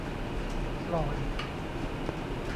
ฟลอยด์